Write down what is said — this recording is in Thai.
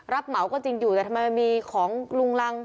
เหมาก็จริงอยู่แต่ทำไมมันมีของลุงรัง